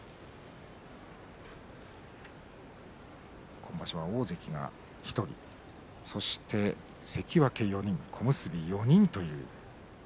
今場所は大関が１人そして、関脇４人小結４人という。